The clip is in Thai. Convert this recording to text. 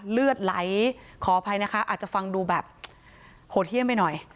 เลือดไหลขออภัยนะคะอาจจะฟังดูแบบโหดเยี่ยมไปหน่อย